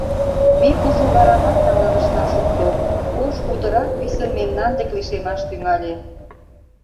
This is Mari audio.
Ме кужу варамат налын ышна шукто, кож путырак писын мемнан дек лишемаш тӱҥале.